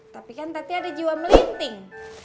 tapi kan tapi ada jiwa melinting